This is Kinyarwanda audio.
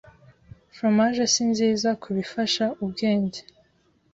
Fromage sinziza kubifasha ubwenge